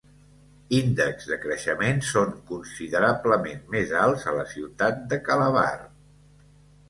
Índexs de creixement són considerablement més alts a la ciutat de Calabar.